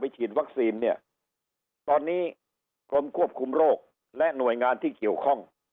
ฉีดวัคซีนเนี่ยตอนนี้กรมควบคุมโรคและหน่วยงานที่เกี่ยวข้อง